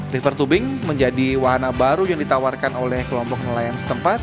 river tubing menjadi wahana baru yang ditawarkan oleh kelompok nelayan setempat